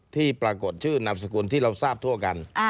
ที่ปรากฏชื่อนามสกุลที่เราทราบทั่วกัน